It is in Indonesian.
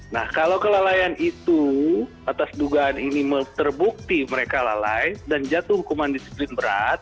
nah kalau kelalaian itu atas dugaan ini terbukti mereka lalai dan jatuh hukuman disiplin berat